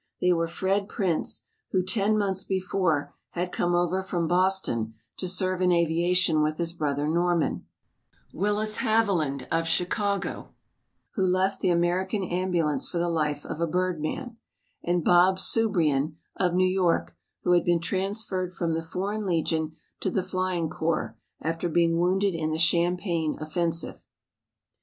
They were: Fred Prince, who ten months before had come over from Boston to serve in aviation with his brother Norman; Willis Haviland, of Chicago, who left the American Ambulance for the life of a birdman, and Bob Soubrian, of New York, who had been transferred from the Foreign Legion to the flying corps after being wounded in the Champagne offensive.